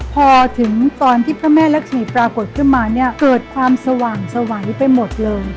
พอถึงตอนที่พระแม่รักษีปรากฏขึ้นมาเนี่ยเกิดความสว่างสวัยไปหมดเลย